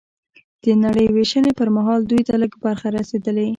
د نړۍ وېشنې پر مهال دوی ته لږ برخه رسېدلې